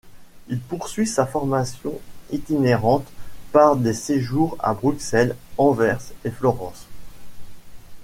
Il poursuit sa formation itinérante par des séjours à Bruxelles, Anvers et Florence.